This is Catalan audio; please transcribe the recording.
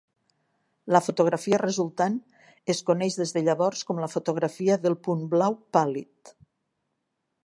La fotografia resultant es coneix des de llavors com la fotografia del punt blau pàl·lid.